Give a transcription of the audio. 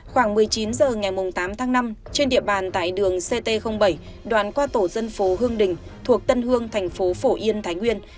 khoảng một mươi chín h ngày tám tháng năm trên địa bàn tại đường ct bảy đoạn qua tổ dân phố hương đình thuộc tân hương thành phố phổ yên thái nguyên